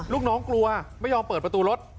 ลูกน้องกลัวไม่ยอมเปิดประตูรถ